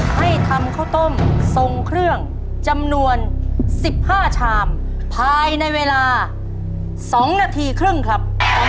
ให้ทำข้าวต้มทรงเครื่องจำนวน๑๕ชามภายในเวลา๒นาทีครึ่งครับ